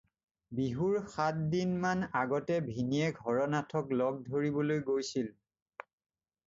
বিহুৰ সাত দিনমান আগতে ভিনীহিয়েক হৰনাথক লগ ধৰিবলৈ গৈছিল।